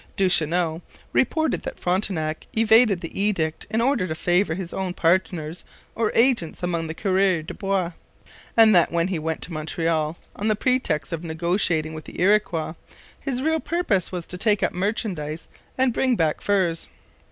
Duchesneau reported that Frontenac evaded the edict in order to favour his own partners or agents among the coureurs de bois, and that when he went to Montreal on the pretext of negotiating with the Iroquois, his real purpose was to take up merchandise and bring back furs.